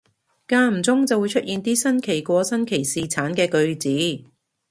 間唔中就會出現啲新奇過新奇士橙嘅句子